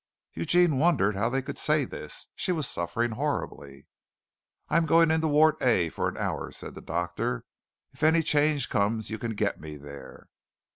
Eugene wondered how they could say this. She was suffering horribly. "I'm going into Ward A for an hour," said the doctor. "If any change comes you can get me there."